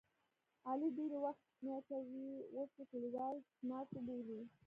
علي ډېری وخت چشمې اچوي اوس یې کلیوال چشماټو بولي.